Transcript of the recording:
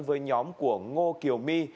với nhóm của ngô kiều my